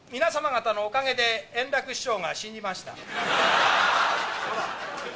去年の１０月、皆様方のおかげで、圓楽師匠が死にました。